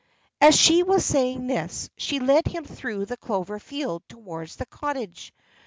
As she was saying this, she led him through the clover field towards the cottage.